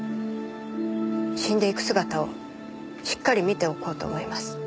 死んでいく姿をしっかり見ておこうと思います。